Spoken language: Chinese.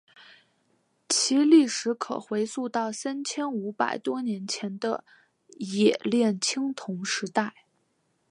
其历史可回溯到三千五百多年前的冶炼青铜时代。